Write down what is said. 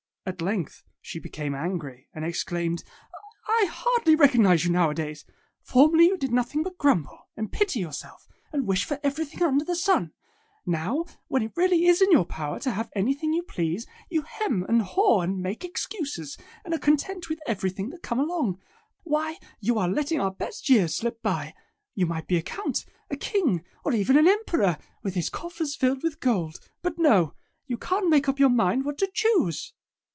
At length she became angry and exclaimed, 'H hardly recognize you, now a days! Formerly you did noth ing but grumble, and pity yourself, and wish for everything under the sun. Now when it is really in your power to have any thing you please, you hem and haw and make excuses, and are content with every thing that come along. Why you are letting our best years slip by. You might be a count, a king, or even an emperor, with his coffers filled with gold. But no! You can't make up your mind what to choose!"